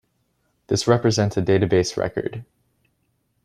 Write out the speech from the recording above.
This represents a database record.